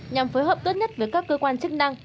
nhằm phối hợp tốt nhất với các cơ quan chức năng